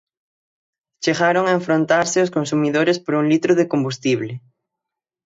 Chegaron a enfrontarse os consumidores por un litro de combustible.